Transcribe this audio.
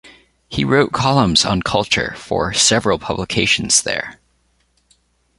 He wrote columns on culture for several publications there.